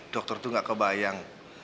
dokter tuh gak kebayang